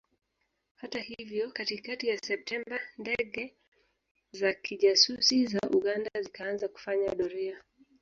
Hata hivyo katikakati ya Septemba ndege za kijasusi za Uganda zikaanza kufanya doria